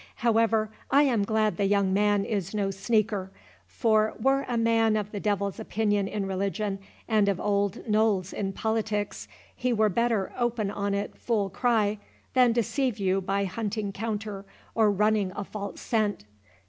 However, I am glad the young man is no sneaker; for, were a man of the devil's opinion in religion, and of Old Noll's in politics, he were better open on it full cry, than deceive you by hunting counter, or running a false scent.